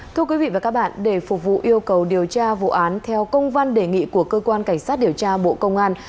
thưa quý vị và các bạn để phục vụ yêu cầu điều tra vụ án theo công văn đề nghị của cơ quan cảnh sát điều tra bộ công an